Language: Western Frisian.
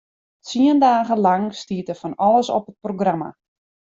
Tsien dagen lang stiet der fan alles op it programma.